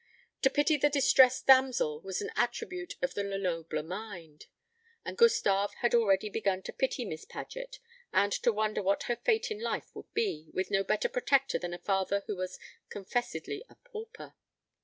To pity the distressed damsel was an attribute of the Lenoble mind; and Gustave had already begun to pity Miss Paget, and to wonder what her fate in life would be, with no better protector than a father who was confessedly a pauper.